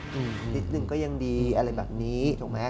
นิดนึงก็ยังดีอะไรแบบนี้